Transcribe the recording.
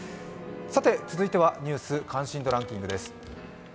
続いては「ニュース関心度ランキング」です。